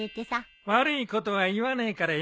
悪いことは言わねえからやめとけ。